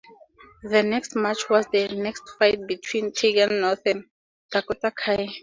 The next match was the street fight between Tegan Nox and Dakota Kai.